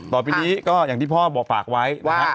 ต่อปีนี้ก็อย่างที่พ่อสามารถปากไว้นะครับ